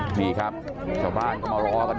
เพื่อนบ้านเจ้าหน้าที่อำรวจกู้ภัย